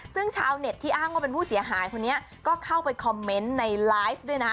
ซึ่งชาวเน็ตที่อ้างว่าเป็นผู้เสียหายคนนี้ก็เข้าไปคอมเมนต์ในไลฟ์ด้วยนะ